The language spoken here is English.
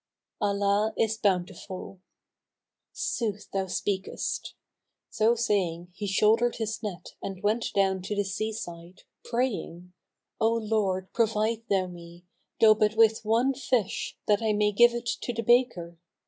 "Allah is bountiful." "Sooth thou speakest!" So saying he shouldered his net and went down to the sea side, praying, "O Lord provide thou me, though but with one fish, that I may give it to the baker!"